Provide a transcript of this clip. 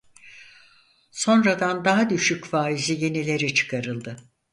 Sonradan daha düşük faizli yenileri çıkarıldı.